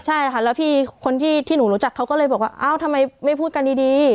ใช่ค่ะแล้วพี่คนที่หนูรู้จักเขาก็เลยบอกว่าเอ้าทำไมไม่พูดกันดี